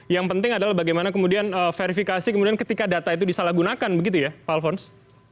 yang penting adalah bagaimana kemudian verifikasi kemudian ketika data itu disalahgunakan begitu ya pak alfons